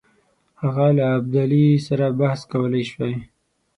هغه له ابدالي سره بحث کولای سوای.